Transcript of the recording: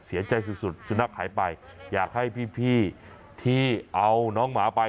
เสียใจสุดสุดสุนัขหายไปอยากให้พี่ที่เอาน้องหมาไป